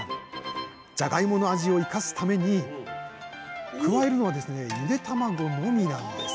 じゃがいもの味を生かすために加えるのはですねゆで卵のみなんです！